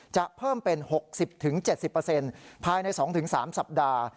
จะเพิ่มเป็น๖๐๗๐ภายใน๒๓สัปดาห์